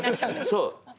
そう。